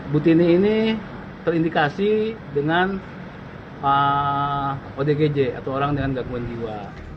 butini ini terindikasi dengan ah odgj atau orang dengan gangguan jiwa